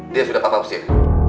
dia sudah papa usir